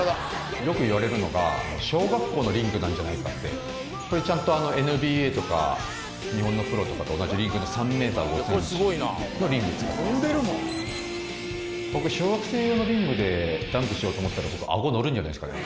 よく言われるのが小学校のリングなんじゃないかってこれちゃんとＮＢＡとか日本のプロとかと同じリングで３ｍ５ｃｍのリングを使ってますけど僕小学生用のリングでダンクしようと思ったらアゴ乗るんじゃないですかね